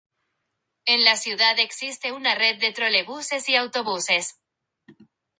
En la ciudad existe una red de trolebuses y autobuses.